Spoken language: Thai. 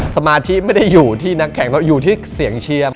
สมาธิไม่ได้อยู่ที่นักแข่งอยู่ที่เสียงเชียร์